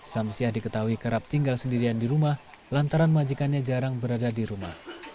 samsiah diketahui kerap tinggal sendirian di rumah lantaran majikannya jarang berada di rumah